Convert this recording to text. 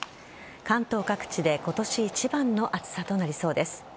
関東各地で今年一番の暑さとなりそうです。